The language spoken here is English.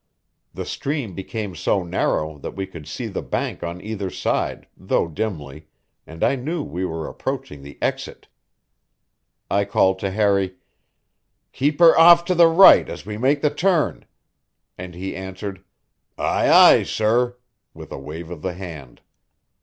The stream became so narrow that we could see the bank on either side, though dimly, and I knew we were approaching the exit. I called to Harry: "Keep her off to the right as we make the turn!" and he answered: "Aye, aye, sir!" with a wave of the hand.